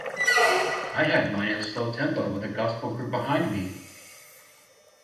I had mine in a slow tempo with a gospel group behind me.